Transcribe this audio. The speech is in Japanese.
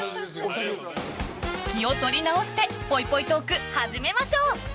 気を取り直してぽいぽいトーク始めましょう。